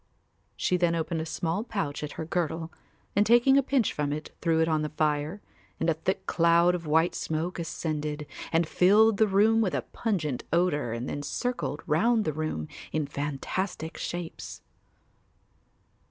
She then opened a small pouch at her girdle and taking a pinch from it threw it on the fire and a thick cloud of white smoke ascended and filled the room with a pungent odour and then circled round the room in fantastic shapes.